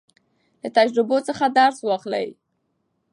له تجربو څخه درس واخلئ.